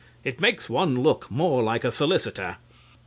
It makes one look more like a solicitor.